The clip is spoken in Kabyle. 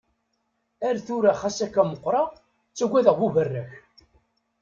Ar tura xas akka meqqreɣ, ttaggadeɣ buberrak.